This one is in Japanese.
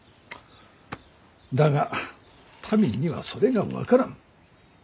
だが民にはそれが分からん。